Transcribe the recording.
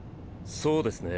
そうですね。